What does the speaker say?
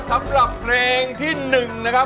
สำหรับแปลงที่หนึ่งนะครับ